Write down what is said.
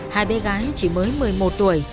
hai bé gái mới một mươi một tuổi